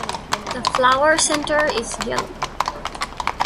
The flower centre is yellow.